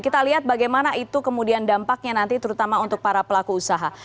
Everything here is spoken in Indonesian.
kita lihat bagaimana itu kemudian dampaknya nanti terutama untuk para pelaku usaha